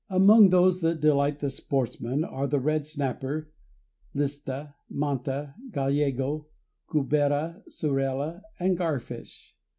Among those that delight the sportsman are the red snapper, lista, manta, gallego, cubera, surela, and garfish.